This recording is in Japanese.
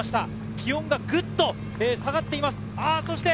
気温がぐっと下がっています。